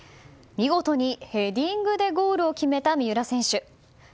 見事にヘディングでゴールを決めた三浦選手。